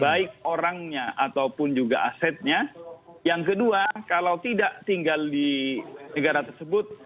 baik orangnya ataupun juga asetnya yang kedua kalau tidak tinggal di negara tersebut